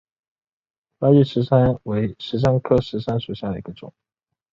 拉觉石杉为石杉科石杉属下的一个种。